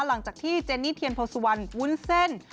หลังจากที่เจนนี่เทียนโพสุวรรณวุ้นเส้น